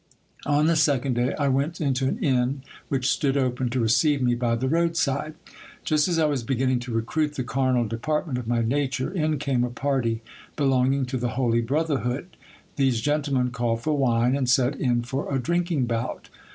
On the se cond day I went into an inn which stood open to receive me by the road side. Just as I was beginning to recruit the carnal department of my nature, in came a party belonging to the Holy Brotherhood. These gentlemen called for wine, and set in for a drinking bout.